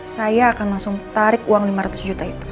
saya akan langsung tarik uang lima ratus juta itu